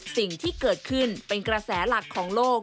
สิ่งที่เกิดขึ้นเป็นกระแสหลักของโลก